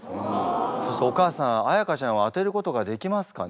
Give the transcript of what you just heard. そうするとお母さん彩歌ちゃんは当てることができますかね？